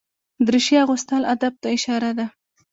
دریشي اغوستل ادب ته اشاره ده.